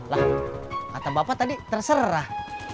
lah kata bapak tadi terserah